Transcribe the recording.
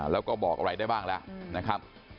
แล้วก็บอกอะไรได้บ้างแล้วนะครับ